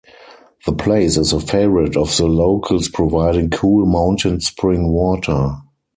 The place is a favorite of the locals providing cool mountain spring water.